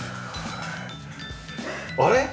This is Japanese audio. あれ？